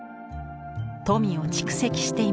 富を蓄積していました。